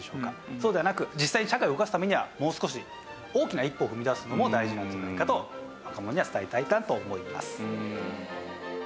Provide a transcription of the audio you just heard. そうではなく実際に社会を動かすためにはもう少し大きな一歩を踏み出すのも大事なんじゃないかと若者には伝えたいなと思います。